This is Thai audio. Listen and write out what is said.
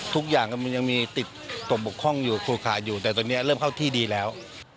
ทุกอย่างมันยังมีติดตัวบกพ่องอยู่เครือข่ายอยู่แต่ตอนนี้เริ่มเข้าที่ดีแล้ว